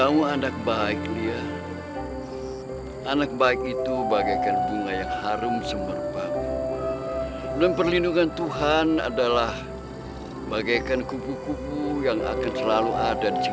mengikuti dimanapun bunga itu berada